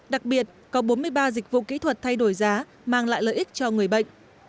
đặc biệt có bốn mươi ba dịch vụ kỹ thuật thay đổi giá mang lại lợi ích cho người bệnh